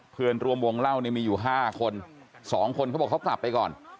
เพื่อนรวมวงเล่าเนี่ยมีอยู่๕คน๒คนเขาบอกเขากลับไปก่อน